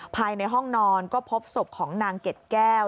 ภายในห้องนอนก็พบศพของนางเกดแก้ว